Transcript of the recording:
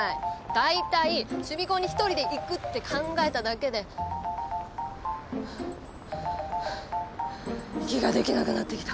大体趣味コンに１人で行くって考えただけでハァハァ息ができなくなってきた。